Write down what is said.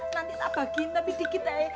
nanti kita bagiin lebih dikit ya